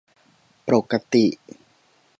ปรกติ